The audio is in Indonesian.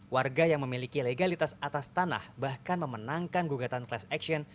warga yang memiliki legalitas atas tanah bahkan memenangkan gugatan class action